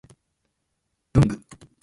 文具